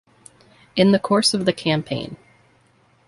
In the course of the campaign.